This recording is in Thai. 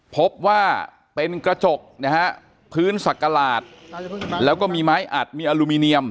พบว่าเป็นกระจกนะฮะพื้นสักกระหลาดแล้วก็มีไม้อัดมีอลูมิเนียม